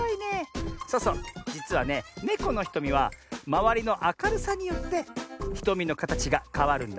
そうそうじつはねネコのひとみはまわりのあかるさによってひとみのかたちがかわるんだね。